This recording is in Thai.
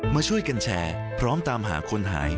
มาช่วยกันแชร์พร้อมตามหาคนหาย